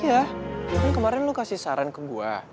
ya kan kemarin lo kasih saran ke gue